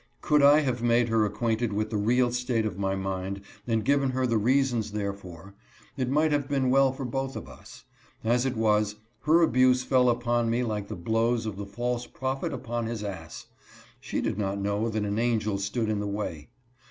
Could I have made her acquainted with the real state of my mind and given her the reasons therefor, it might have been well for both of us. As it was, her abuse fell upon me like the blows of the false prophet upon his ass; she did not know that an angel stood in the way.